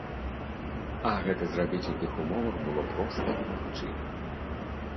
А гэта зрабіць у тых умовах было проста немагчыма.